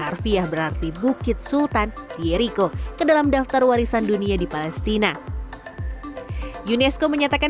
harfiah berarti bukit sultan jeriko ke dalam daftar warisan dunia di palestina unesco menyatakan